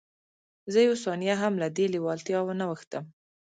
زه یوه ثانیه هم له دې لېوالتیا وانه وښتم